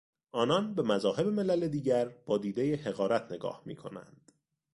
آنان به مذاهب ملل دیگر با دیدهی حقارت نگاه میکنند.